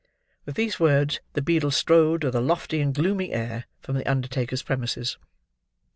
With these words, the beadle strode, with a lofty and gloomy air, from the undertaker's premises.